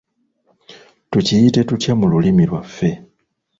Tukiyite tutya mu lulimi lwaffe?